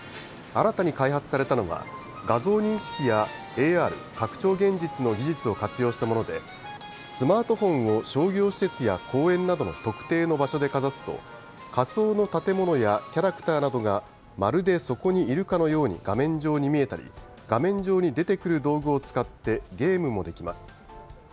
新たに開発されたのは、画像認識やＡＲ・拡張現実の技術を活用したもので、スマートフォンを商業施設や公園などの特定の場所でかざすと、仮想の建物やキャラクターなどがまるでそこにいるかのように画面上に見えたり、画面上に出てくる道具を使って、ゲームもできます。